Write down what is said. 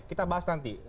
kita bahas nanti